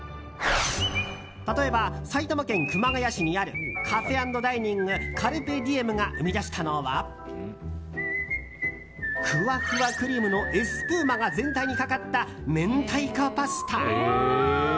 例えば、埼玉県熊谷市にあるｃａｆｅ＆ｄｉｎｉｎｇｃａｒｐｅｄｉｅｍが生み出したのはふわふわクリームのエスプーマが全体にかかった、明太子パスタ。